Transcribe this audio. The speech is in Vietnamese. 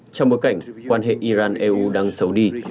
trong bối cảnh quan hệ iran eu đang xấu đi